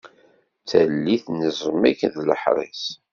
Tallit n ẓẓmik d leḥris.